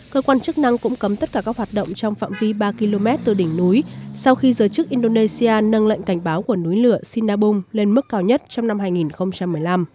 cơ quan chức năng cũng cấm tất cả các hoạt động trong phạm vi ba km từ đỉnh núi sau khi giới chức indonesia nâng lệnh cảnh báo của núi lửa sinabung lên mức cao nhất trong năm hai nghìn một mươi năm